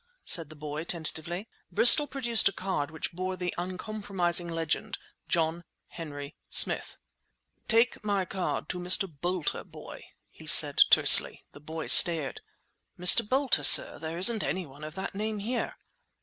said the boy tentatively. Bristol produced a card which bore the uncompromising legend: John Henry Smith. "Take my card to Mr. Boulter, boy," he said tersely. The boy stared. "Mr. Boulter, sir? There isn't any one of that name here."